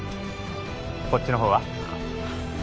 こっちのほうは？